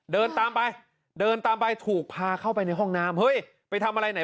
เดินตามไปเดินตามไปถูกพาเข้าไปในห้องน้ำเฮ้ยไปทำอะไรไหน